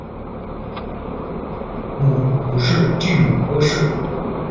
母吴氏；继母郭氏。